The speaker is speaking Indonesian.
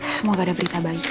semoga ada berita baik